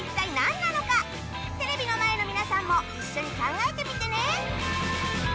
テレビの前の皆さんも一緒に考えてみてね！